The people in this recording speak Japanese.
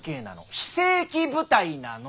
非正規部隊なの！